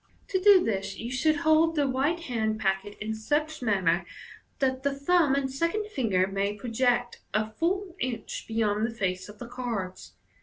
To do this you should hold the right hand packet in such manner that the thumb and second finger may project a full inch beyond the face of the cards.